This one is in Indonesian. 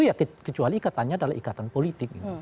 iya kecuali ikatannya adalah ikatan politik